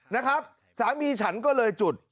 นะครับสามีฉันก็เลยจุด